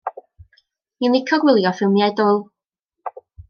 Ni'n lico gwylio ffilmiau dwl.